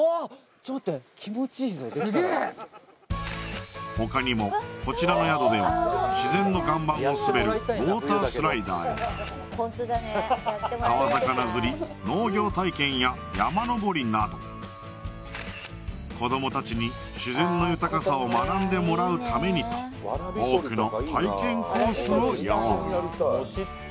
ちょっと待って他にもこちらの宿では自然の岩盤を滑るウォータースライダーや川魚釣り農業体験や山登りなど子ども達に自然の豊かさを学んでもらうためにと多くの体験コースを用意